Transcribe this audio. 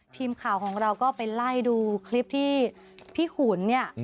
ทีมข่าวของเราก็ไปไล่ดูคลิปที่พี่ขุนเนี่ย